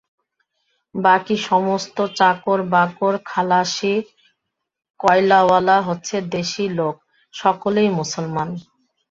বাকী সমস্ত চাকর-বাকর, খালাসী, কয়লাওয়ালা হচ্ছে দেশী লোক, সকলেই মুসলমান।